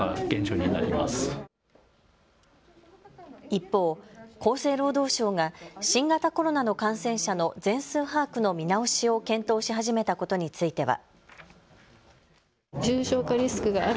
一方、厚生労働省が新型コロナの感染者の全数把握の見直しを検討し始めたことについては。